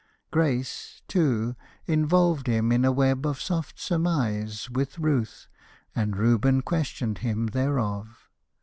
Grace, too, Involved him in a web of soft surmise With Ruth; and Reuben questioned him thereof.